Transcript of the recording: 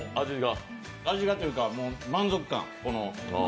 味がというか満足感。